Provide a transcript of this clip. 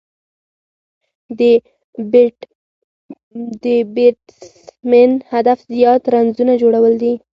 د بېټسمېن هدف زیات رنزونه جوړول دي.